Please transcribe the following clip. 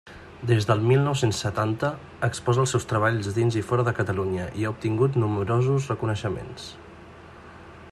Des del mil nou-cents setanta exposa els seus treballs dins i fora de Catalunya, i ha obtingut nombrosos reconeixements.